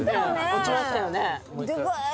落ちましたよね。